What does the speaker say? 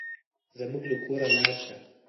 زموږ له کوره لاړ شه.